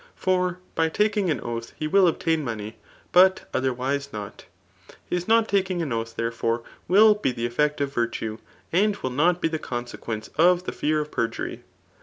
For by taking an oath he win obtain monej, but otherwise not. His nor taking an oath therefore will be the eflfect of virtue, and will not hi the consequence of the fear of perjury.